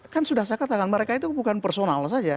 kan sudah saya katakan mereka itu bukan personal saja